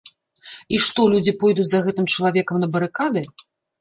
І што, людзі пойдуць за гэтым чалавекам на барыкады?